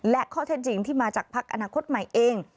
และข้อเท็จจริงที่มาจากพักอนาคตใหม่เอง